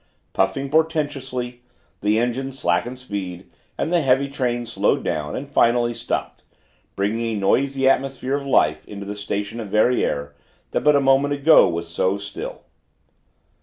Puffing portentously, the engine slackened speed, and the heavy train slowed down and finally stopped, bringing a noisy atmosphere of life into the station of Verrières that but a moment ago was so still.